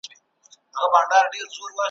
څومره بدبخته یم داچاته مي غزل ولیکل ,